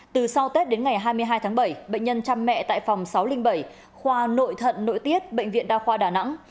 từ sau tết đến ngày hai mươi hai tháng bảy bệnh nhân chăm mẹ tại phòng sáu trăm linh bảy khoa nội thận nội tiết bệnh viện đa khoa đà nẵng